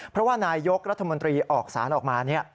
เพราะว่านายยกรัฐมนตรีออกสารออกมา